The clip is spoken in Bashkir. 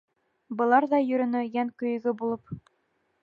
Былар ҙа йөрөнө... йән көйөгө булып.